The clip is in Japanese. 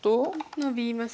ノビますか。